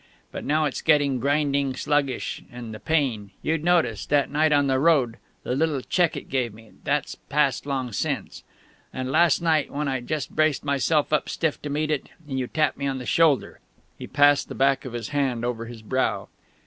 But now it's getting grinding, sluggish; and the pain.... You'd notice, that night on the road, the little check it gave me; that's past long since; and last night, when I'd just braced myself up stiff to meet it, and you tapped me on the shoulder ..." He passed the back of his hand over his brow.